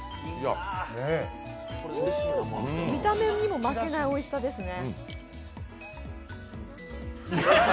見た目にも負けないおいしさですね。。